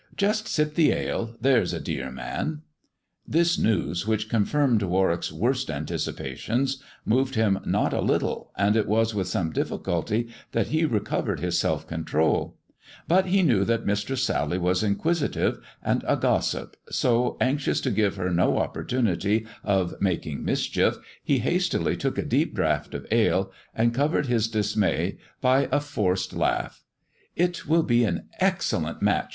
Just sip the ale, there's a dear man." This news, which confirmed Warwick's worst anticipa tions, moved him not a little, and it was with some diffi culty that he recovered his self controL But he knew that Mistress Sally was inquisitive and a gossip, so, anxious to give her no opportunity of making mischief, he hastily took a deep draught of ale and covered his dismay by a forced laugh. " It will be an excellent match.